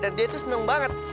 dan dia itu senang banget